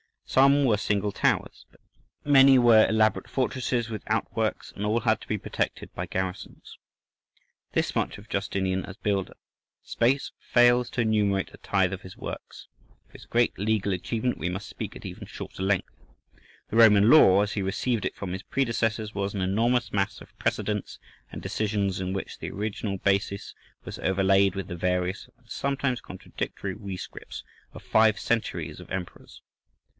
Some were single towers, but many were elaborate fortresses with outworks, and all had to be protected by garrisons. Thus much of Justinian as builder: space fails to enumerate a tithe of his works. Of his great legal achievement we must speak at even shorter length. The Roman law, as he received it from his predecessors was an enormous mass of precedents and decisions, in which the original basis was overlaid with the various and sometimes contradictory rescripts of five centuries of emperors.